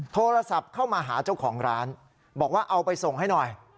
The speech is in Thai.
โทรศัพท์เข้ามาหาเจ้าของร้านบอกว่าเอาไปส่งให้หน่อย